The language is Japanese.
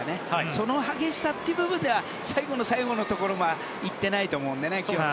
その激しさという部分では最後の最後のところまで行っていないと思うので。